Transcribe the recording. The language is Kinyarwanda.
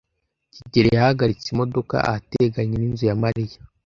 kigeli yahagaritse imodoka ahateganye n'inzu ya Mariya.